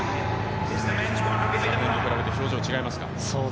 昨年と比べて表情違いますか？